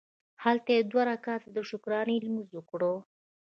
هلته یې دوه رکعته د شکرانې لمونځ وکړ.